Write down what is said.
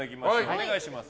お願いします。